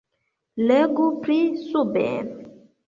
Legu pli suben.